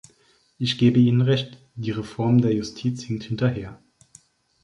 Ich gebe Ihnen Recht, die Reform der Justiz hinkt hinterher.